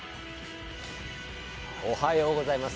おはようございます。